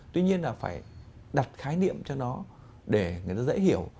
tuy nhiên là phải đặt khái niệm cho nó để người ta dễ hiểu